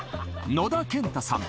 野田建太さん